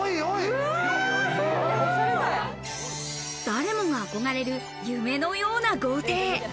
誰もが憧れる夢のような豪邸。